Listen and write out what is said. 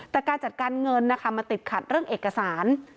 แต่การจัดการเงินนะคะมันติดขัดเรื่องเอกสาร